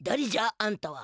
あんたは。